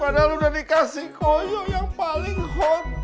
padahal udah dikasih koyo yang paling hot